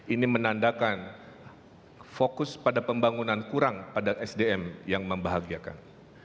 ini menandakan fokus pada pembangunan kurang pada sdm yang membahagiakan